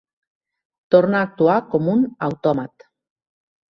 Torna a actuar com un autòmat.